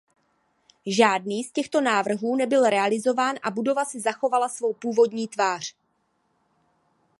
Žádný z těchto návrhů nebyl realizován a budova si zachovala svou původní tvář.